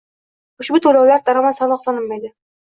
ushbu to‘lovlarga daromad solig‘i solinmaydi